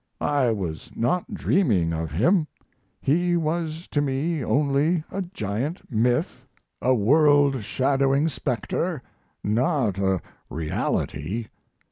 I was not dreaming of him; he was to me only a giant myth, a world shadowing specter, not a reality.